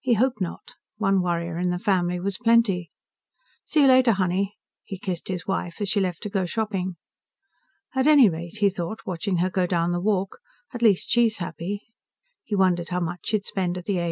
He hoped not. One worrier in the family was plenty. "See you later, honey." He kissed his wife as she left to go shopping. At any rate, he thought, watching her go down the walk, at least she's happy. He wondered how much she'd spend at the A.